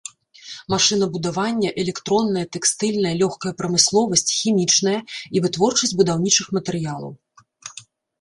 Машынабудаванне, электронная, тэкстыльная, лёгкая прамысловасць, хімічная і вытворчасць будаўнічых матэрыялаў.